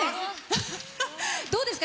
どうですか？